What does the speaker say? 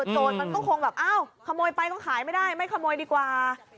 มันก็คงแบบอ้าวขโมยไปก็ขายไม่ได้ไม่ขโมยดีกว่า